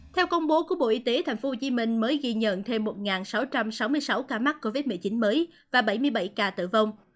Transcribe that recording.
theo công bố của bộ y tế tp hcm mới ghi nhận thêm một sáu trăm sáu mươi sáu ca mắc covid một mươi chín mới và bảy mươi bảy ca tử vong